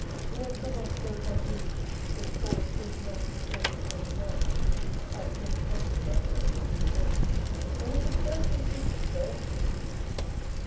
When some one spoke of his " St. Paul shaking off the serpent from his arm " (at Greenwich Hos pital, I believe), he said, " A little burst of genius, sir